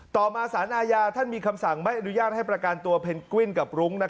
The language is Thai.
ต่อมาสารอาญาท่านมีคำสั่งไม่อนุญาตให้ประกันตัวเพนกวิ้นกับรุ้ง